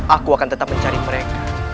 aku akan tetap mencari mereka